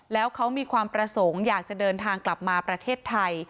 แล้วเขามีความประสงค์อยากจะเดินทางกลับมาประเทศไทย